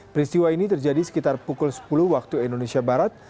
peristiwa ini terjadi sekitar pukul sepuluh waktu indonesia barat